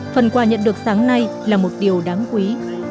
phần quà nhận được sáng nay là một điều đáng quý